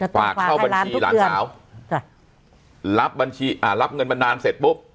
ฝากเข้าบัญชีหลานสาวจ้ะรับบัญชีอ่ารับเงินบันนานเสร็จปุ๊บ